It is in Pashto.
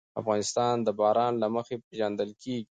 افغانستان د باران له مخې پېژندل کېږي.